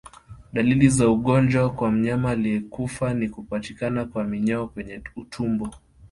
Dalili za ugonjwa kwa mnyama aliyekufa ni kupatikana kwa minyoo kwenye utumbo